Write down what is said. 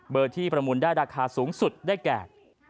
เบอร์ที่ประมูลได้ราคาสูงสุดได้แก่๐๘๘๘๙๙๙๙๙๙